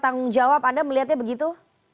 tanggung jawab anda melihatnya begitu